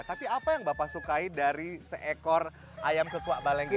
tapi apa yang bapak sukai dari seekor ayam kukuak balenge